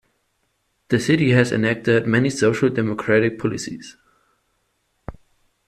The city has enacted many social democratic policies.